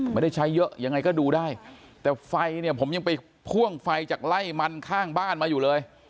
ไม่ได้ใช้เยอะยังไงก็ดูได้แต่ไฟเนี่ยผมยังไปพ่วงไฟจากไล่มันข้างบ้านมาอยู่เลย